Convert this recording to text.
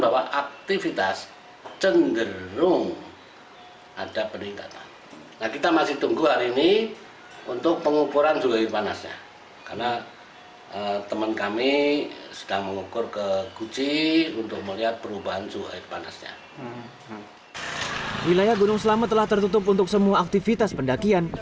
wilayah gunung selamat telah tertutup untuk semua aktivitas pendagian